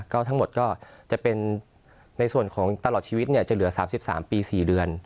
ก็ทั้งหมดก็จะเป็นในส่วนของตลอดชีวิตจะเหลือ๓๓ปี๔เดือน